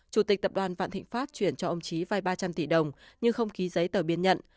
chủ tịch tập đoàn vạn thịnh pháp chuyển cho ông trí vai ba trăm linh tỷ đồng nhưng không ký giấy tờ biên nhận